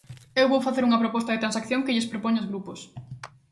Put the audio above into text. Eu vou facer unha proposta de transacción que lles propoño aos grupos.